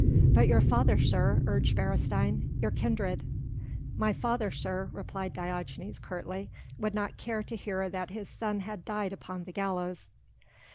"But your father, sir," urged Beresteyn, "your kindred...." "My father, sir," replied Diogenes curtly, "would not care to hear that his son had died upon the gallows."